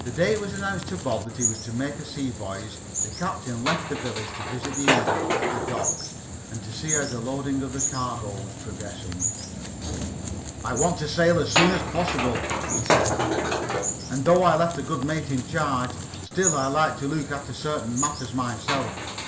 The day it was announced to Bob that he was to make a sea voyage, the captain left the village to visit the Eagle at the dock and see how the loading of the cargo was progressing. "I want to sail as soon as possible," he said, "and though I left a good mate in charge, still I like to look after certain matters myself.